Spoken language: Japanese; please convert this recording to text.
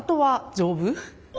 丈夫。